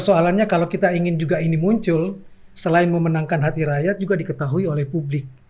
nah prabandingan itu kalau mereka ingin juga ini muncul selain memenangkan hati rakyat juga diketahui oleh publik